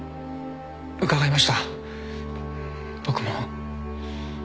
伺いました僕も。